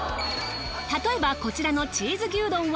例えばこちらのチーズ牛丼は。